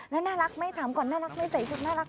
แล้วน่ารักไม่ถามก่อนน่ารักไม่ใส่ชุดน่ารัก